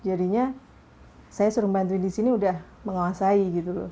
jadinya saya suruh bantuin di sini udah menguasai gitu loh